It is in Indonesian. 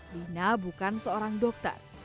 nina bukan seorang dokter